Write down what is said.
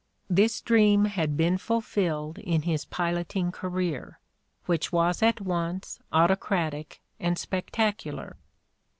This dream had been fulfilled in his piloting career, which was at once autocratic and spectacular.